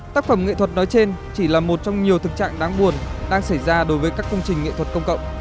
tác phẩm nghệ thuật nói trên chỉ là một trong nhiều thực trạng đáng buồn đang xảy ra đối với các công trình nghệ thuật công cộng